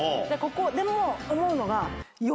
でも思うのが。